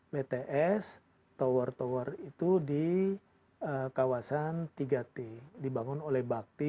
bts tower tower itu di kawasan tiga t dibangun oleh bakti